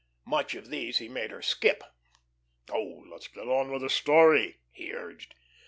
Much of these he made her skip. "Oh, let's get on with the 'story,'" he urged.